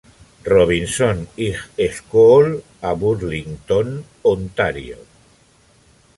Robinson High School a Burlington, Ontario.